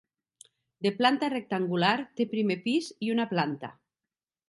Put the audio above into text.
De planta rectangular, té primer pis i una planta.